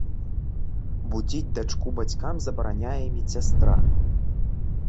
Будзіць дачку бацькам забараняе і медсястра.